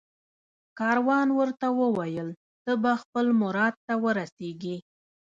کاروان ورته وویل ته به خپل مراد ته ورسېږې